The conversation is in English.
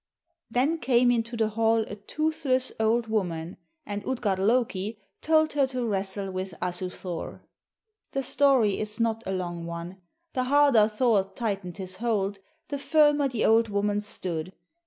Then came into the hall a toothless old woman, and Utgard Loki told her to wrestle with Asu Thor. The story is not a long one. The harder Thor tightened his hold, the firmer the old woman stood.